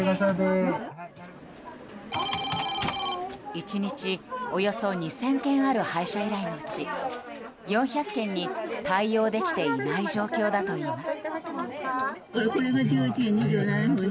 １日およそ２０００件ある配車依頼のうち４００件に対応できていない状況だといいます。